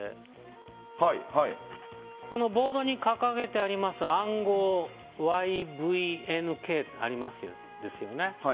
そのボードに掲げてあります暗号ＹＶＮＫってありますよね。